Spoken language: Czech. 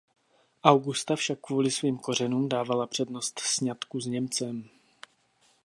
Augusta však kvůli svým kořenům dávala přednost sňatku s Němcem.